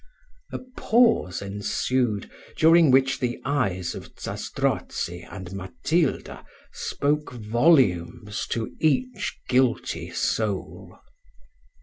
A pause ensued, during which the eyes of Zastrozzi and Matilda spoke volumes to each guilty soul.